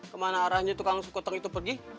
kemana arahnya tukang sukuteng itu pergi